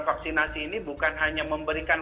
vaksinasi ini bukan hanya memberikan